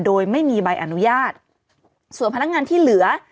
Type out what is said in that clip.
โดยไม่มีใบอนุญาตส่วนพนักงานที่เหลือ